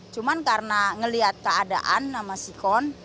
cuman karena melihat keadaan sama si kon